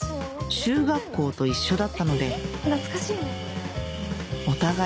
中学校と一緒だったので懐かしいねこれ。